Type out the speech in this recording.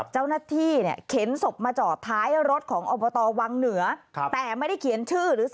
เจ้าหน้าที่เข็นศพมาจอดท้ายรถของอบตวังเหนือ